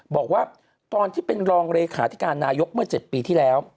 บอกว่าตอนที่เป็นรองเลขาธิการนายกเมื่อ๗ปีที่แล้ว